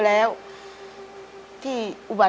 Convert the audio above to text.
โทรหาลูกชายโทรหาลูกชาย